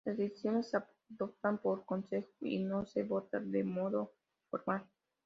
Las decisiones se adoptan por consenso y no se vota de modo formal.